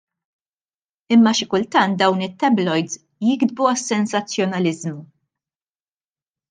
Imma xi kultant dawn it-tabloids jiktbu għas-sensazzjonaliżmu.